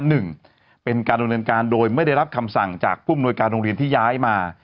หนึ่งเป็นการดำเนินการโดยไม่ได้รับคำสั่งจากผู้อำนวยการโรงเรียนที่ย้ายมา